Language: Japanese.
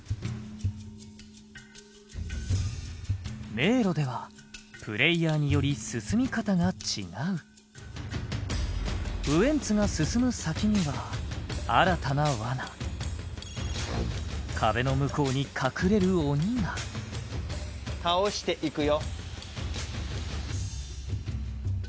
迷路ではプレイヤーにより進み方が違うウエンツが進む先には新たな罠壁の向こうに隠れる鬼が倒していくよ